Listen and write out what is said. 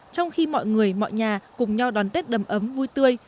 trong khi mọi người mọi nhà cùng nhau đón tết đầm ấm vui tươi